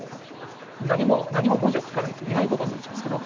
何も文字を書かないといないことになっちゃうんですけれど